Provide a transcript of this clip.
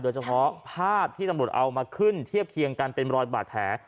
เฉพาะภาพที่ตำรวจเอามาขึ้นเทียบเคียงกันเป็นรอยบาดแผล